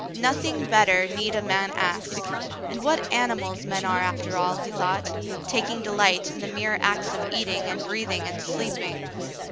Nothing better need a man ask ; and what animals men are, after all, he thought, taking delight in the mere acts of eating and breathing and sleeping.